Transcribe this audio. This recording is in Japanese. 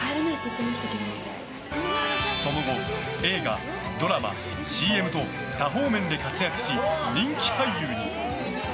その後、映画、ドラマ、ＣＭと多方面で活躍し人気俳優に。